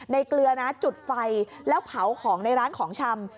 เกลือนะจุดไฟแล้วเผาของในร้านของชำ